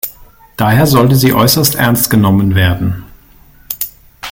Daher sollte sie äußerst ernst genommen werden.